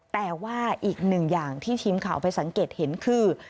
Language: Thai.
แต่ว่าอีกหนึ่งอย่างที่ทีมข่าวไปสังเกตเห็นคือ